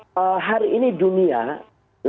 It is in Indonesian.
mbak hari ini dunia lagi sedang berpikir